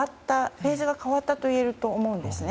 フェーズが変わったといえると思うんですね。